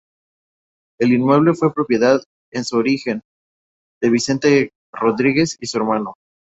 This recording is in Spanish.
El inmueble fue propiedad, en su origen, de Vicente Rodríguez y hermano.